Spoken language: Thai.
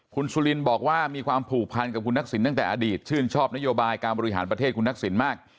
คุณสุลินบอกว่ามีความผูกพันกับคุณทักษิณตั้งแต่อดีตชื่นชอบนโยบายการบริหารประเทศคุณทักษิณมาก